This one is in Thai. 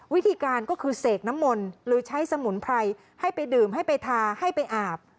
วิธีการก็คือเสกน้ำมนต์หรือใช้สมุนไพรให้ไปดื่มให้ไปทาให้ไปอาบ